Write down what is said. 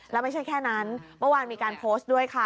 แล้วไม่ใช่แค่นั้นเมื่อวานมีการโพสต์ด้วยค่ะ